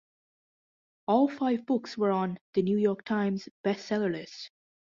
All five books were on "The New York Times" Best Seller list.